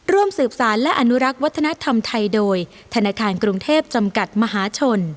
ร่วมสืบสารและอนุรักษ์วัฒนธรรมไทยโดยธนาคารกรุงเทพจำกัดมหาชน